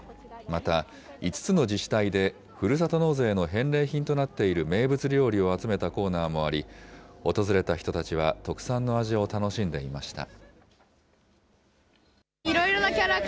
また、５つの自治体でふるさと納税の返礼品となっている名物料理を集めたコーナーもあり、訪れた人たちは特産の味を楽しんでいました。